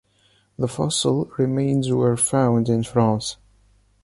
The fossil remains were found in France.